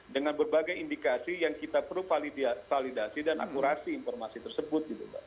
dengan berbagai indikasi yang kita perlu validasi dan akurasi informasi tersebut